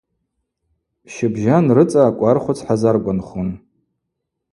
Щыбжьан рыцӏа акӏвархвыц хӏазаргванхун.